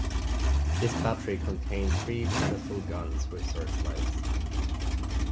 This battery contained three pedestal guns with searchlights.